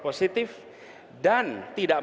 positif dan tidak